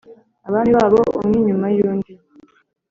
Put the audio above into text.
abami babo, umwe inyuma y’undi.